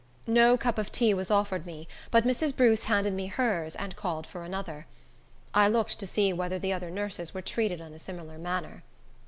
No cup of tea was offered me, but Mrs. Bruce handed me hers and called for another. I looked to see whether the other nurses were treated in a similar manner.